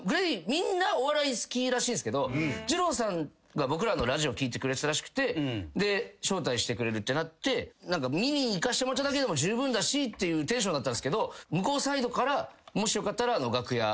みんなお笑い好きらしいんすけどＪＩＲＯさんが僕らのラジオ聞いてくれてたらしくて招待してくれるってなって見にいかしてもらっただけでもじゅうぶんだしっていうテンションだったんすけど向こうサイドからもしよかったら。